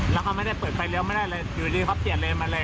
แล้วเขาไม่ได้เปิดไฟเลี้ยวไม่ได้เลยอยู่ดีเขาเปลี่ยนเลนมาเลย